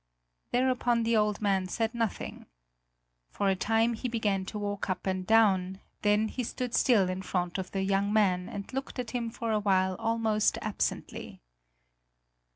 Thereupon the old man said nothing. For a time he began to walk up and down, then he stood still in front of the young man and looked at him for a while almost absently.